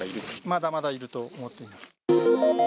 まだまだいると思っています。